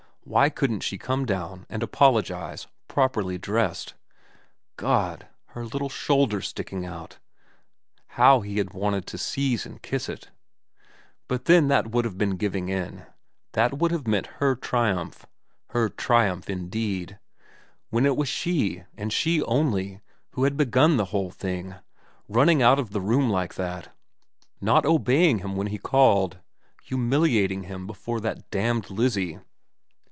Why couldn't she come down and 236 VERA xn apologise properly dressed ? God, her little shoulder sticking out how he had wanted to seize and kiss it ... but then that would have been giving in, that would have meant her triumph. Her triumph, indeed when it was she, and she only, who had begun the whole thing, running out of the room like that, not obeying him when he called, humiliating him before that damned Lizzie.